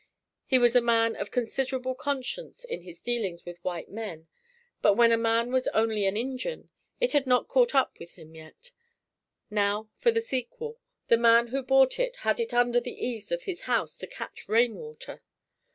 He was a man of considerable conscience in his dealings with white men but when a man was only "an injun" it had not caught up with him yet. Now for the sequel: The man who bought it had it under the eaves of his house to catch rain water.